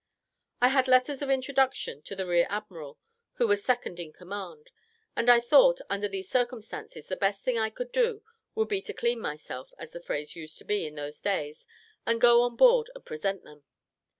I had letters of introduction to the rear admiral, who was second in command; and I thought, under these circumstances the best thing I could do would be to "clean myself," as the phrase used to be in those days, and go on board and present them.